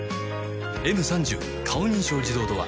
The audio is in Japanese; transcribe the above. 「Ｍ３０ 顔認証自動ドア」